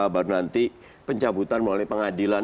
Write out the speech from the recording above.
baru nanti pencabutan melalui pengadilan